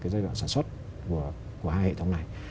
giai đoạn sản xuất của hai hệ thống này